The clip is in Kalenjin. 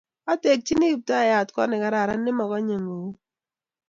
Atekchini Kiptayat kot nekararan ne mokonye ng'ogi